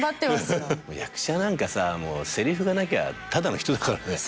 役者なんかさせりふがなきゃただの人だからね。